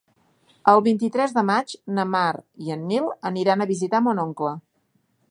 El vint-i-tres de maig na Mar i en Nil aniran a visitar mon oncle.